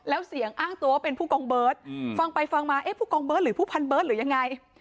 แล้วเสียงอ้างตัวว่าเป็นผู้กองเบิร์ตฟังไปฟังมาเอ๊ะผู้กองเบิร์ตหรือผู้พันเบิร์ตหรือยังไง